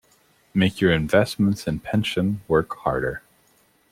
Make your investments and pension work harder.